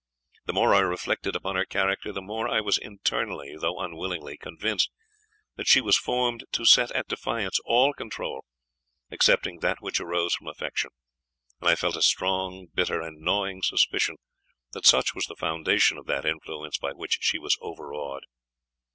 The more I reflected upon her character, the more I was internally though unwillingly convinced, that she was formed to set at defiance all control, excepting that which arose from affection; and I felt a strong, bitter, and gnawing suspicion, that such was the foundation of that influence by which she was overawed.